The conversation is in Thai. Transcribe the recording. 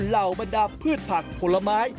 เหล่าบรรดาพืชผักผลไม้